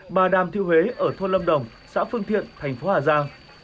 bà đàm thiêu huế ở thôn lâm đồng xã phương thiện thành phố hà giang